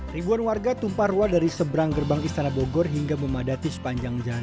ribuan warga tumparwa dari seberang gerbang istana bogor hingga memadati sepanjang jalan